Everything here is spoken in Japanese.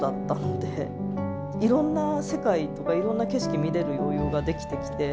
いろんな世界とかいろんな景色見れる余裕ができてきて。